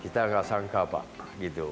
kita tidak sangka pak